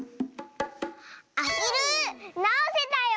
アヒルなおせたよ！